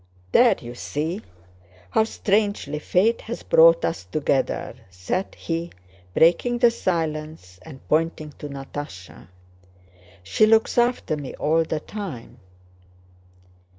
"There, you see how strangely fate has brought us together," said he, breaking the silence and pointing to Natásha. "She looks after me all the time."